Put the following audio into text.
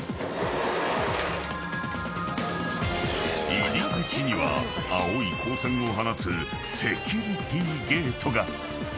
［入り口には青い光線を放つセキュリティーゲートが］